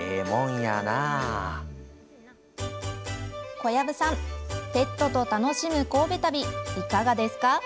小籔さん、ペットと楽しむ神戸旅、いかがですか。